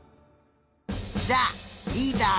じゃあリーダー